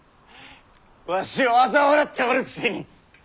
わしをあざ笑っておるくせに！